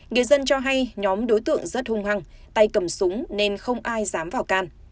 người dân cho hay nhóm đối tượng rất hung hăng tay cầm súng nên không ai dám vào can